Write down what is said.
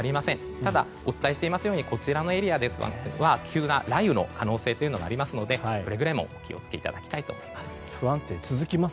ただ、お伝えしていますようにこのエリアは急な雷雨の可能性がありますのでくれぐれも気を付けていただきたいと思います。